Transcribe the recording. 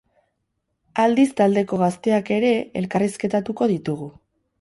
Aldiz taldeko gazteak ere elkarrizketatuko ditugu.